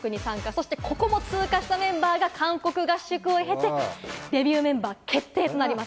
そしてここも通過したメンバーが韓国合宿を経て、デビューメンバー決定となります。